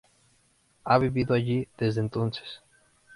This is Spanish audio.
Ha vivido allí desde entonces.